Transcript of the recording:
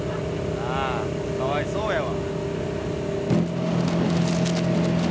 なあかわいそうやわ。